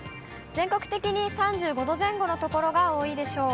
全国的に３５度前後の所が多いでしょう。